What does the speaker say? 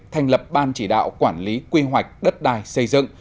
thành lập ban chỉ đạo quản lý quy hoạch đất đài xây dựng